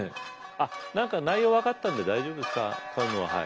あっ何か内容分かったんで大丈夫です買うのははい。